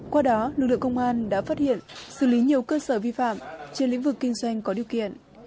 qua đó lực lượng công an đã phát hiện xử lý nhiều cơ sở vi phạm trên lĩnh vực kinh doanh có điều kiện